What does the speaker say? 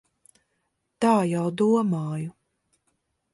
Tā jau domāju.